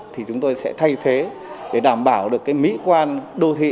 thì chúng tôi sẽ thay thế để đảm bảo được cái mỹ quan đô thị